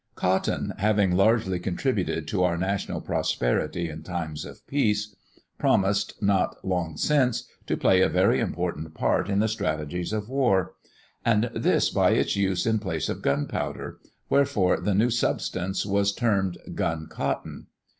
Cotton, having largely contributed to our national prosperity in times of peace, promised, not long since, to play a very important part in the strategies of war; and this by its use in place of gunpowder; wherefore the new substance was termed "Gun cotton."